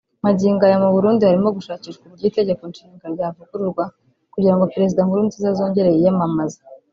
Magingo aya mu Burundi harimo gushakishwa uburyo itegeko nshinga ryavugururwa kugira ngo Perezida Nkurunziza azongere yiyamamaze